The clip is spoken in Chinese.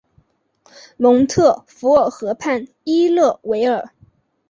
蒙特福尔河畔伊勒维尔。